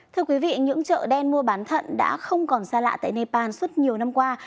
thưa quý vị những chợ đen mua bán thận đã không còn xa lạ tại nepal suốt nhiều năm qua